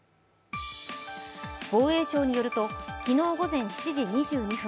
防衛省によると、昨日午前７時２２分